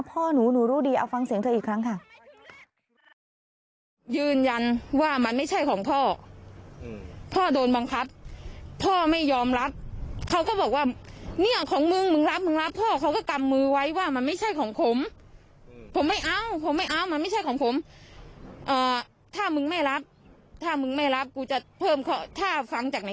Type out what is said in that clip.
พ่อหนูหนูรู้ดีเอาฟังเสียงเธออีกครั้งค่ะ